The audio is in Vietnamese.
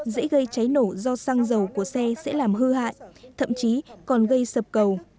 dễ gây cháy nổ do xăng dầu của xe sẽ làm hư hại thậm chí còn gây sập cầu